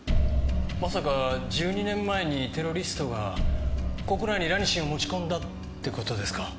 まさか１２年前にテロリストが国内にラニシンを持ち込んだって事ですか？